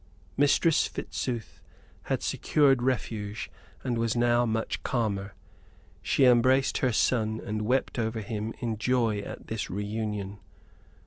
Mistress Fitzooth had secured refuge and was now much calmer. She embraced her son and wept over him in joy at this reunion.